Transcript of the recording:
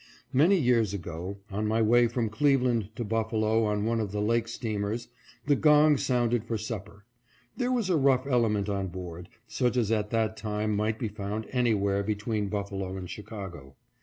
Many years ago, on my way from Cleveland to Buffalo A SCENE AT A SUPPER TABLE. 553 on one of the lake steamers, the gong sounded for supper. There was a rough element on board, such as at that time might be found anywhere between Buffalo and Chicago.